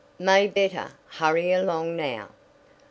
"May better. Hurry along, now.